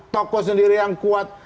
toko sendiri yang kuat